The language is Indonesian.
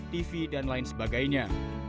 tv dan lain sebagainya